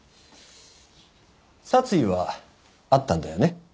殺意はあったんだよね？